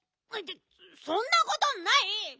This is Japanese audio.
そんなことない！